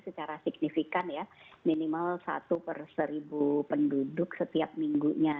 secara signifikan ya minimal satu per seribu penduduk setiap minggunya